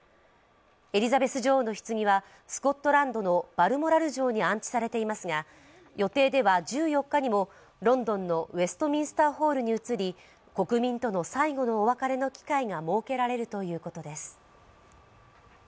エリザベス女王のひつぎはスコットランドのバルモラル城に安置されていますが予定では１４日にもロンドンのウェストミンスターホールに移り国民との最後のお別れの機会がもうけられるということです。